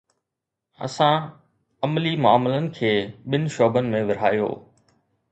اسان عملي معاملن کي ٻن شعبن ۾ ورهايو.